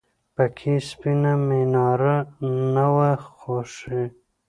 پکې سپینه میناره نه وه خوږې !